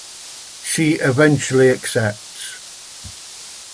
She eventually accepts.